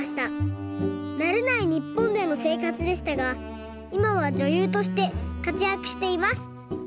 なれないにっぽんでのせいかつでしたがいまはじょゆうとしてかつやくしています。